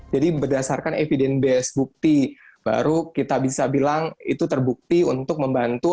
jadi berdasarkan evidence based bukti baru kita bisa bilang itu terbukti untuk membantu